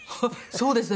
そうですね。